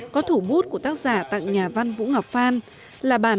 có thủ bút của tác giả tặng nhà văn vũ ngọc phan